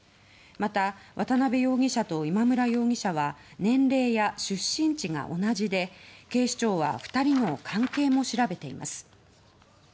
また、渡邉容疑者と今村容疑者は年齢や出身地が同じで警視庁は２人の関係も調べています。